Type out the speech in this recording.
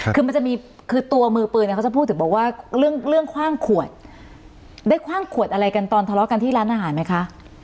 คือมันจะมีคือตัวมือปืนเนี่ยเขาจะพูดถึงบอกว่าเรื่องคว่างขวดได้คว่างขวดอะไรกันตอนทะเลาะกันที่ร้านอาหารไหมคะ